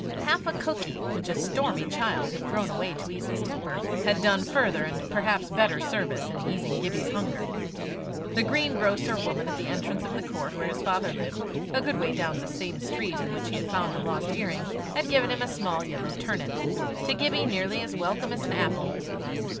Half a cookie, which a stormy child had thrown away to ease his temper, had done further and perhaps better service in easing Gibbie's hunger. The green grocer woman at the entrance of the court where his father lived, a good way down the same street in which he had found the lost earring, had given him a small yellow turnip to Gibbie nearly as welcome as an apple.